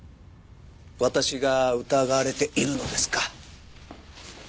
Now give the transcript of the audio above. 私が疑われているのですか？